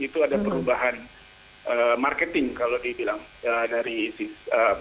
itu ada perubahan marketing kalau dibilang dari sisi